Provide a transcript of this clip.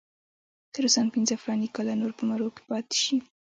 که روسان پنځه فلاني کاله نور په مرو کې پاتې شي.